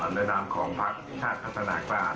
แนะนำของพักชาติพัฒนากล้า